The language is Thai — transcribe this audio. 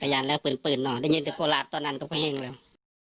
กระยานแล้วปืนเนอะได้ยินถึงโคลาฟตอนนั้นก็แห้งแล้ว